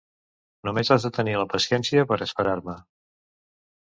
Només has de tenir la paciència per a esperar-me.